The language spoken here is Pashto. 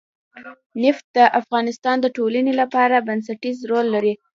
نفت د افغانستان د ټولنې لپاره بنسټيز رول لري.